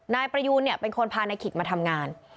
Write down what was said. นายประยูนเป็นคนพานายขิกมาทำงาน